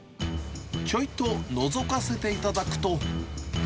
ちょいとのぞかせていただくと。